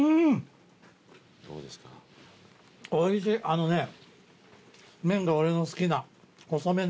あのね麺が俺の好きな細麺で。